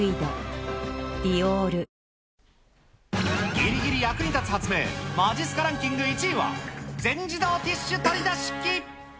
ギリギリ役に立つ発明、まじっすかランキング１位は、全自動ティッシュ取り出し機。